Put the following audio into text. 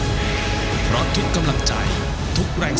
ติดตามชมและเชียร์นักฟุตบอลทีมชาติไทยชุดใหญ่ได้ทุกแมชที่นี่